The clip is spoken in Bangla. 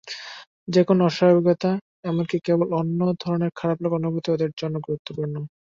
যেকোনো অস্বাভাবিকতা, এমনকি কেবল অন্য ধরনের খারাপ লাগার অনুভূতি এদের জন্য গুরুত্বপূর্ণ।